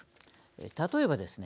例えばですね